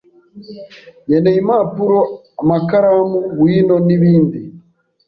Nkeneye impapuro, amakaramu, wino n'ibindi.